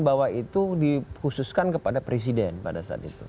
bahwa itu dikhususkan kepada presiden pada saat itu